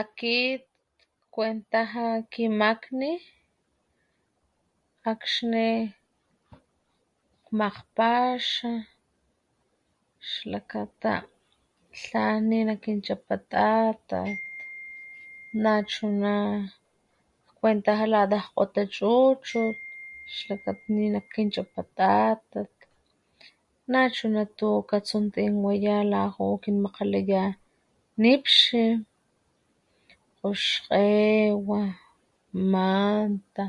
Akit kuentaja kimakni akxni kmakgpaxa xlakata tlan ninakinchapa tatat nachuna ktakuentaja lata kgota chuchut xlakata ninakinchapa tatat nachuna tu katsuntin la ju´u akin makgalaya nipxi, kgoxkgewa manta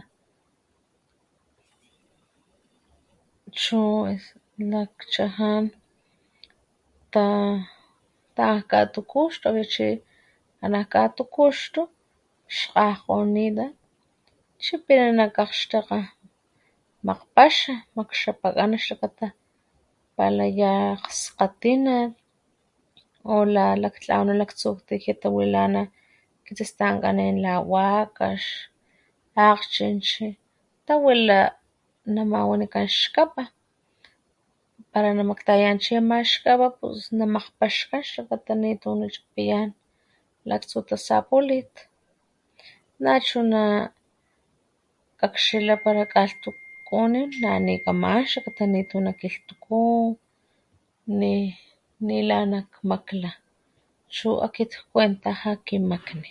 chu lakchajan akxni ta´an nak katukuxtu akxi chi ana nak katukuxtu xkgajkgonita chipina nak akgxtakga makgpaxa makxapakana xlakata pala ya skgatinat o la laktlawana nak tsujtijia tawilana kitsistankanin la wakax, akgchinchi tawila nama wanikan xkapa para namaktayayan chi nama xkapa pus namakgpaxkan xlakata nitu nachapayan laktsu tasapulit nachuna kakxila para kalhtukunin nani kama´an xlakata nakilhtuku nila nakmakla chu akit kuentaja ki makni